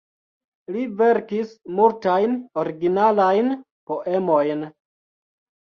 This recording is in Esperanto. Li verkis multajn originalajn poemojn.